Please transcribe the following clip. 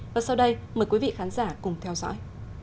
và sau đây mời quý vị khán giả cùng theo dõi